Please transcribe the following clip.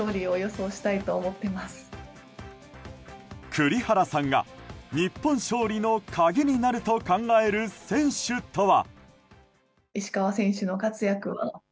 栗原さんが日本勝利の鍵になると考える選手とは。